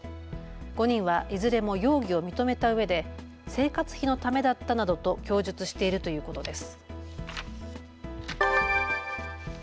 ５人はいずれも容疑を認めたうえで生活費のためだったなどと供述しているということです。